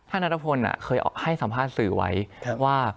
ท่านนัตตาภุลอ่ะคือให้สัมภาษณ์สื่อไว้ว่า